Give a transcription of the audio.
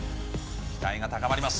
期待が高まります。